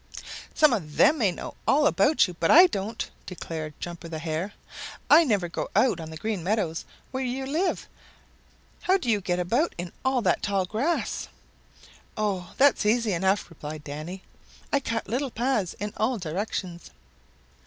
"Some of them may know all about you, but I don't," declared Jumper the Hare. "I never go out on the Green Meadows where you live. How do you get about in all that tall grass?" "Oh, that's easy enough," replied Danny. "I cut little paths in all directions."